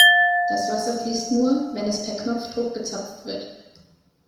Das Wasser fließt nur, wenn es per Knopfdruck gezapft wird.